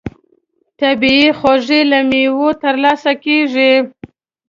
طبیعي خوږې له مېوو ترلاسه کېږي.